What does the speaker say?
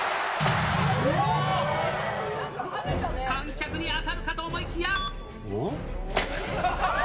観客に当たるかと思いきや。